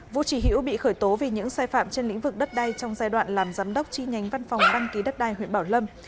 vũ trì hiễu bị khởi tố vì những sai phạm trên lĩnh vực đất đai trong giai đoạn làm giám đốc chi nhánh văn phòng đăng ký đất đai huyện bảo lâm